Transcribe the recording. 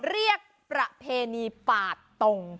เรียกประเพณีปาดตง